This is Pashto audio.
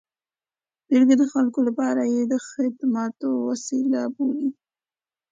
بلکې د خلکو لپاره یې د خدماتو وسیله بولي.